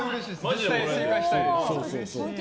正解したいです。